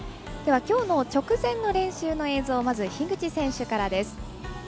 きょうの直前の練習の映像まず樋口選手からです。